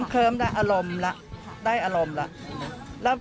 เคิ้มได้อารมณ์ละได้อารมณ์ละ